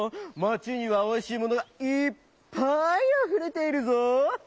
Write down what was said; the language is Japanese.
町にはおいしいものがいっぱいあふれているぞ」。